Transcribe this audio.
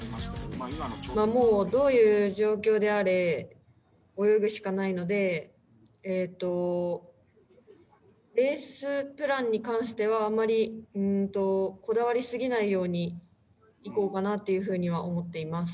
もうどういう状況であれ、泳ぐしかないので、レースプランに関しては、あんまりこだわりすぎないようにいこうかなっていうふうには思っています。